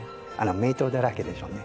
名刀だらけでしょうね。